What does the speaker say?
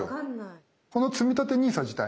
このつみたてＮＩＳＡ自体ね